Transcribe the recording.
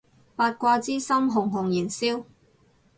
八卦之心熊熊燃燒